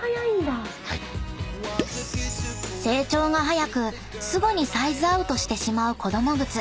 ［成長が早くすぐにサイズアウトしてしまう子ども靴］